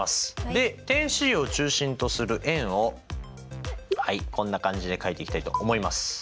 で点Ｃを中心とする円をはいこんな感じで書いていきたいと思います。